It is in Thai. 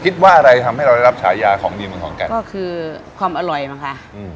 คิดว่าอะไรทำให้เราได้รับฉายาของดีเมืองขอนแก่นก็คือความอร่อยมั้งคะอืม